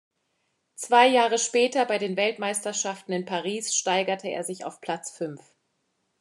Zwei Jahre später bei den Weltmeisterschaften in Paris steigerte er sich auf Platz fünf.